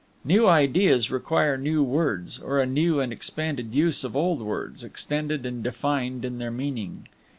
New ideas require new words, or a new and expanded use of old words, extended and defined in their meaning.